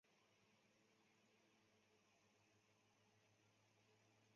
为新界西北地区用车数量最多的九巴路线之一。